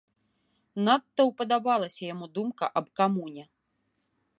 Надта ўпадабалася яму думка аб камуне.